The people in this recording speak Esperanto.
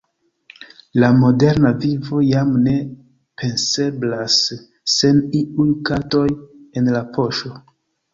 La moderna vivo jam ne penseblas sen iuj kartoj en la poŝo.